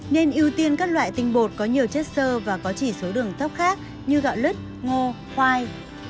nên ưu tiên các loại tinh bột có nhiều chất sơ và có chỉ số đường tóc khác như gạo lứt ngô khoai